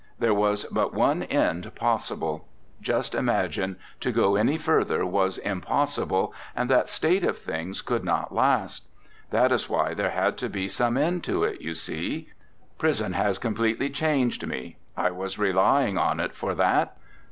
There was but one end possible. Just imagine to go any further was impossible, and that state of things could not last. That is why there had to be some end to it, you see. Prison has completely changed me. I was relying on it for that.